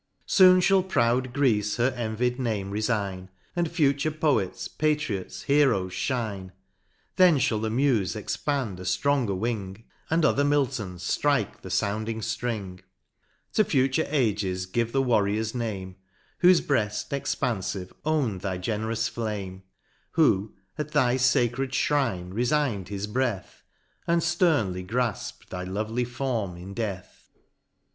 —Soon fliall proud Greece her envied name refign, And future poets, patriots, heroes fhine ; Then fhall the Mufe expand a ftrongcr wing, And other Miltons ftrike the founding ftring ; To future ages give the warrior's name, Whofe breaft expanfive own'd thy generous flame, Who at thy facred fhrine refign'd his breath, And ftcrnly grafp'd thy lovely form in death.